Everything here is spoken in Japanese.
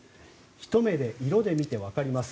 ひと目で色で見て分かります。